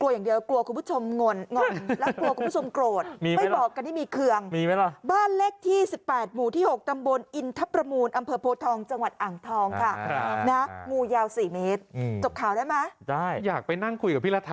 ยากไปนั่งคุยกับพี่รัฐาพี่เป็นคนยังไง